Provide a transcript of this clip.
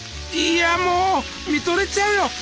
いやもう見とれちゃうよ。